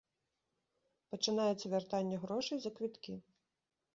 Пачынаецца вяртанне грошай за квіткі.